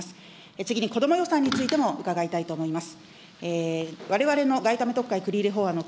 次に子ども予算についても伺いたいと思います。